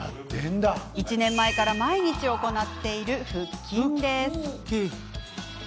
１年前から毎日行っている腹筋です。